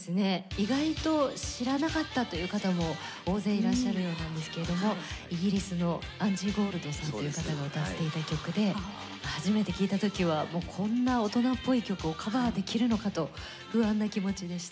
意外と知らなかったという方も大勢いらっしゃるようなんですけれどもイギリスのアンジー・ゴールドさんという方が歌っていた曲で初めて聴いた時はこんな大人っぽい曲をカバーできるのかと不安な気持ちでした。